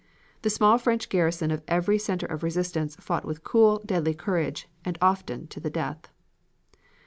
The small French garrison of every center of resistance fought with cool, deadly courage, and often to the death.